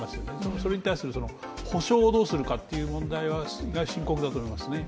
それに対する補償をどうするかという深刻だと思いますね。